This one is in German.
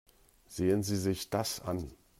Sehen Sie sich das an.